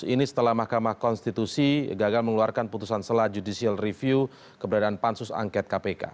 ini setelah mahkamah konstitusi gagal mengeluarkan putusan sela judicial review keberadaan pansus angket kpk